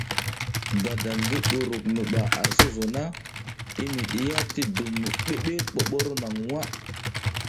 Badak ngi buruk mi ɓaʼa ar sozo na i mi ɗiya ti dum mi ɓiɓir ɓoɓoro naŋ nwa.